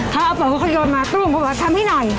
เขาเอาปืนเขาโยนมาตุ้มเขาบอกว่าทำให้หน่อย